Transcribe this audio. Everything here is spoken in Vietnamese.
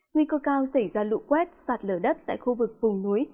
nguy cơ cao xảy ra lụ quét sạt lở đất tại khu vực vùng núi